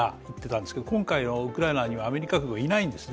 でも今回のウクライナにはアメリカ軍はいないんですね。